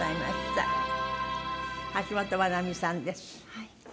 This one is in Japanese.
はい。